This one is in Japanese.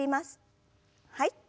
はい。